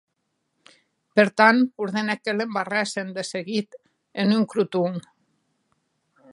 Per tant, ordenèc que l’embarrèssen de seguit en un croton.